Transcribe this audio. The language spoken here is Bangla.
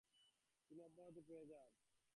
তিনি অব্যাহতি পেয়ে যান।